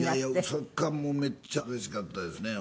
それがもうめっちゃうれしかったですね